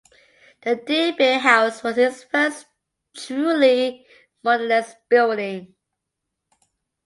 The De Beir house was his first truly modernist building.